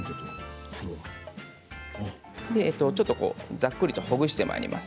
ざっくりとほぐしてまいります。